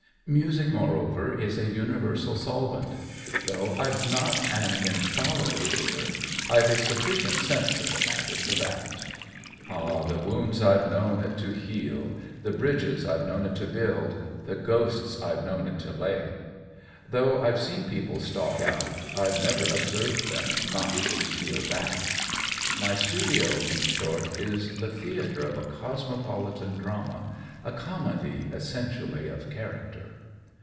Music, moreover, is a universal solvent; though I've not an infallible ear, I've a suf ficient sense of the matter for that. Ah, the wounds I've known it to heal — the bridges I've known it to build — the ghosts I've known it to lay! Though I've seen people stalk out, I've never observed them not to steal back. My studio, in short, is the theatre of a cosmopolite drama, a com edy essentially "of character."